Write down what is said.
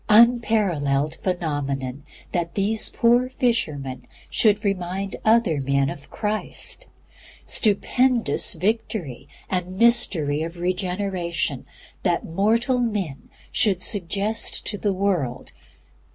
Unparalleled phenomenon, that these poor fishermen should remind other men of Christ! Stupendous victory and mystery of REGENERATION that mortal men should suggest God to the world!